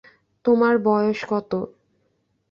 তোমার বয়স কত।